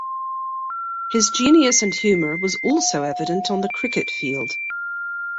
His genius and humour was also evident on the cricket field.